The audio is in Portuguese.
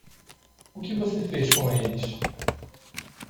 O que você fez com eles?